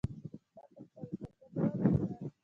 دا په خپلو څرګندونو کې ده.